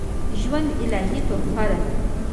ژوند الهي تحفه ده